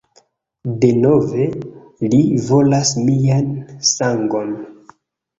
Denove, li volas mian sangon!